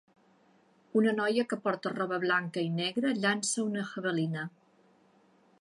Una noia que porta roba blanca i negra llança una javelina